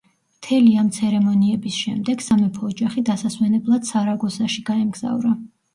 მთელი ამ ცერემონიების შემდეგ, სამეფო ოჯახი დასასვენებლად სარაგოსაში გაემგზავრა.